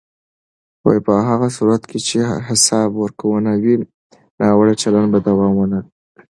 په هغه صورت کې چې حساب ورکونه وي، ناوړه چلند به دوام ونه کړي.